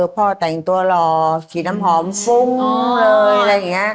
พ่อแต่งตัวหล่อสีน้ำหอมฟุ้งเลยอะไรอย่างนี้